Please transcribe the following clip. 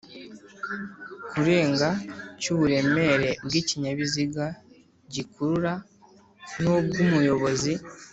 Kurenga cy uburemere bw ikinyabiziga gikurura n ubw umuyobozi